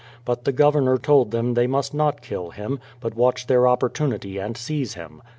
But the Gov ernor told them they must not kill him, but watch their op portunity and seize him.